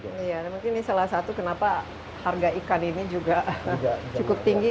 ini salah satu kenapa harga ikan ini juga cukup tinggi